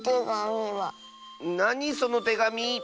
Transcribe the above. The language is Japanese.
なにそのてがみ？